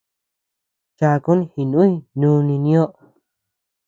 Chakun jinùy núni nioʼö.